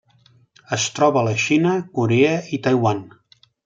Es troba a la Xina, Corea i Taiwan.